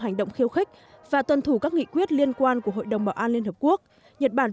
phải là tiêu khích và tuân thủ các nghị quyết liên quan của hội đồng bảo an liên hợp quốc nhật bản